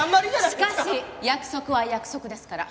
しかし約束は約束ですから。